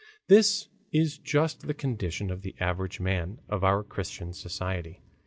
This is just the condition of the average man of our Christian society.